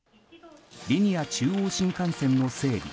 リニア中央新幹線の整備